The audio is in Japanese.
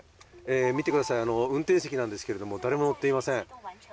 見てください、運転席なんですけれども、誰も乗っていません。